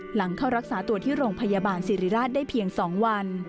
หลังเข้ารักษาตัวที่โรงพยาบาลสิริราชได้เพียง๒วัน